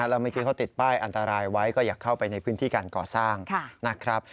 แล้วเมื่อกี้เขาติดป้ายอันตรายไว้ก็อยากเข้าไปในพื้นที่การก่อสร้างนะครับ